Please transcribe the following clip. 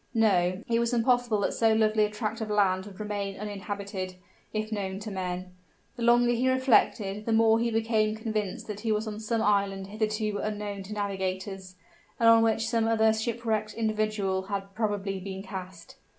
No; it was impossible that so lovely a tract of land would remain uninhabited, if known to men. The longer he reflected the more he became convinced that he was on some island hitherto unknown to navigators, and on which some other shipwrecked individual had probably been cast.